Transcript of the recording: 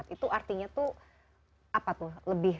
itu artinya tuh